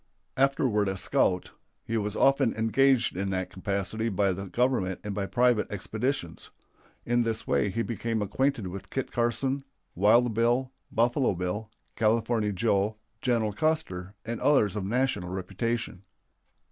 Afterward a scout, he was often engaged in that capacity by the Government and by private expeditions. In this way he became acquainted with Kit Carson, Wild Bill, Buffalo Bill, California Joe, General Custer, and others of national reputation.